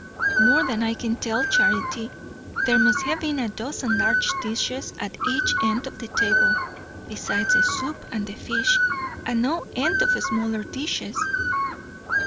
"More than I can tell, Charity. There must have been a dozen large dishes, at each end of the table, besides the soup and the fish; and no end of smaller dishes."